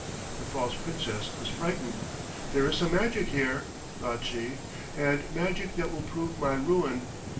The false Princess was frightened. "There is some magic here," thought she, "and magic that will prove my ruin."